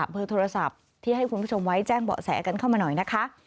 เบอร์โทรศัพท์ที่ให้คุณผู้ชมไว้แจ้งเบาะแสกันเข้ามาหน่อยนะคะ